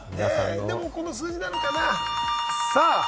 でもこの数字なのかな？